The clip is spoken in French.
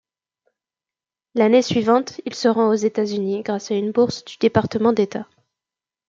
L'année suivante, il se rend aux États-Unis grâce à une bourse du département d'État.